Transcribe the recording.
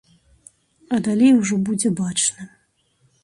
А далей ужо будзе бачна.